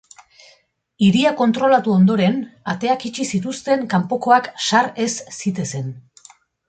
Hiria kontrolatu ondoren, ateak itxi zituzten kanpokoak sar ez zitezkeen.